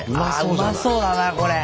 うまそうだなこれ。